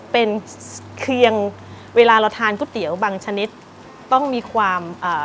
เป็นเพียงเวลาเราทานก๋วยเตี๋ยวบางชนิดต้องมีความอ่า